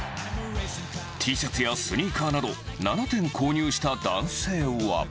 Ｔシャツやスニーカーなど、７点購入した男性は。